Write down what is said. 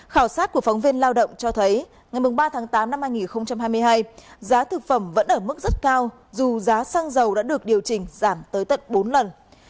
khảo sát của phóng viên lao động cho thấy ngày ba tháng tám năm hai nghìn hai mươi hai giá thực phẩm vẫn ở mức rất cao dù giá xăng dầu đã được điều chỉnh giảm tới tận bốn lần